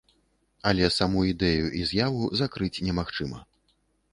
Але саму ідэю і з'яву закрыць немагчыма.